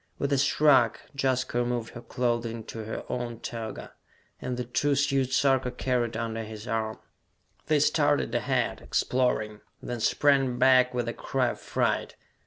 With a shrug, Jaska removed her clothing to her own toga, and the two suits Sarka carried under his arm. They started ahead, exploring, then sprang back with a cry of fright.